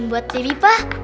untuk epi priest nih kita